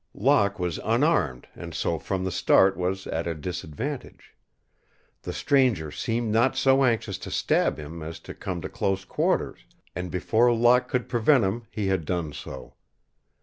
Locke was unarmed and so from the start was at a disadvantage. The stranger seemed not so anxious to stab him as to come to close quarters, and before Locke could prevent him he had done so.